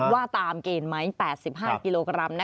ว่าตามเกณฑ์ไหม๘๕กิโลกรัม